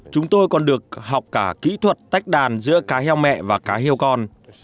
chúng tôi còn được học cả kỹ thuật tách đàn giữa cá heo mẹ và cá heo con